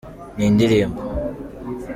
Ni indirimbo.